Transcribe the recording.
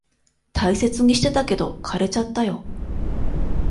大切にしてたけど、枯れちゃったよ。